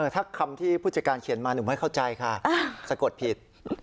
ถ้าคำที่ผู้จัดการเขียนมาหนูไม่เข้าใจค่ะสะกดผิด